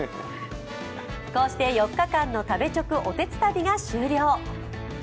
こうして４日間の食べチョクおてつたびが終了。